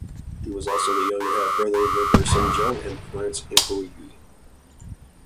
He was also the younger half-brother of Emperor Sunjong and Prince Imperial Ui.